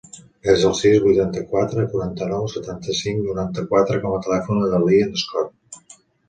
Desa el sis, vuitanta-quatre, quaranta-nou, setanta-cinc, noranta-quatre com a telèfon del Lian Scott.